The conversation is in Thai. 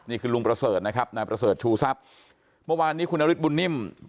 ลุงประเสริฐนะครับนายประเสริฐชูทรัพย์เมื่อวานนี้คุณนฤทธบุญนิ่ม